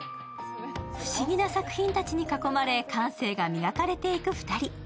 不思議な作品たちに囲まれ、感性が磨かれていく２人。